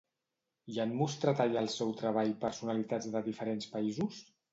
Hi han mostrat allà el seu treball personalitats de diferents països?